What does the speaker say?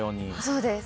そうです。